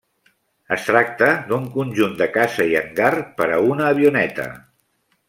Es tracta d'un conjunt de casa i hangar per a una avioneta.